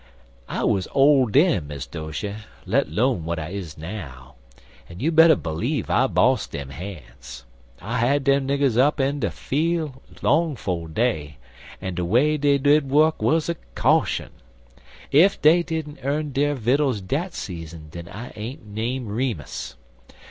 "I wuz ole den, Miss Doshy let lone w'at I is now; en you better b'leeve I bossed dem han's. I had dem niggers up en in de fiel' long 'fo' day, en de way dey did wuk wuz a caution. Ef dey didn't earn der vittles dat season den I ain't name Remus.